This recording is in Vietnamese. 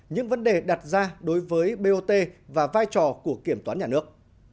những vấn đề đặt ra đối với bot và vai trò của kiểm toán nhà nước